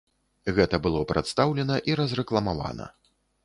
Гэта было прадстаўлена і разрэкламавана.